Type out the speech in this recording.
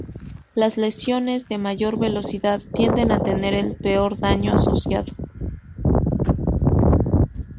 Las lesiones de mayor velocidad tienden a tener el peor daño asociado.